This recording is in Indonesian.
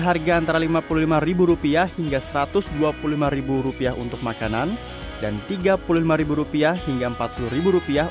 harga antara lima puluh lima rupiah hingga satu ratus dua puluh lima rupiah untuk makanan dan tiga puluh lima rupiah hingga empat puluh rupiah